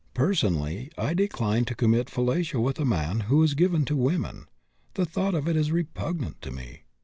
Personally, I decline to commit fellatio with a man who is given to women; the thought of it is repugnant to me.